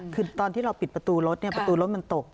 คือตอนที่เราปิดประตูรถประตูรถมันตก